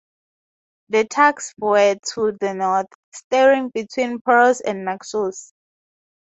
The Turks were to the north, steering between Paros and Naxos.